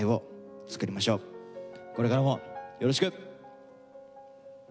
これからもよろしく。